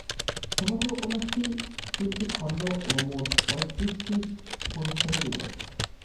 সমগ্র উপন্যাসটি তিনটি খণ্ড ও মোট পঁয়ত্রিশটি পরিচ্ছেদে বিভক্ত।